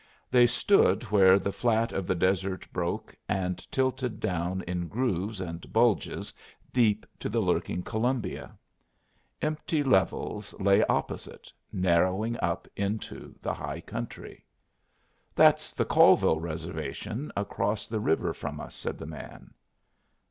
They stood where the flat of the desert broke and tilted down in grooves and bulges deep to the lurking Columbia. Empty levels lay opposite, narrowing up into the high country. "That's the Colville Reservation across the river from us," said the man.